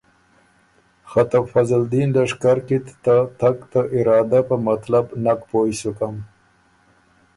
خه ته فضلدین لشکر کی ت ته تګ ته ارادۀ په مطلب نک پویٛ سُکم